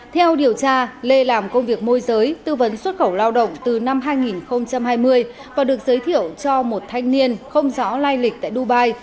theo điều tra lê làm công việc môi giới tư vấn xuất khẩu lao động từ năm hai nghìn hai mươi và được giới thiệu cho một thanh niên không rõ lai lịch tại dubai